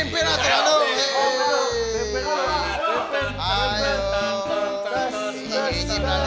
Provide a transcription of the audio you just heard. batur dong pimpin hati aduh